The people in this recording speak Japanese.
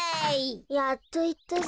やっといったぜ。